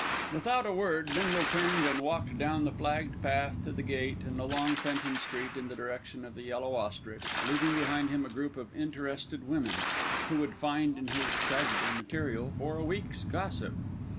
Without a word, Bindle turned and walked down the flagged path to the gate, and along Fenton Street in the direction of The Yellow Ostrich, leaving behind him a group of interested women, who would find in his tragedy material for a week's gossip.